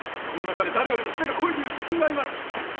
この中で誰よりも舌が肥えている自信があります！